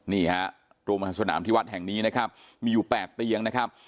นี่ฮะโรงพยาบาลสนามที่วัดแห่งนี้นะครับมีอยู่๘เตียงนะครับ